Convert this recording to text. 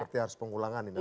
seperti harus pengulangan ini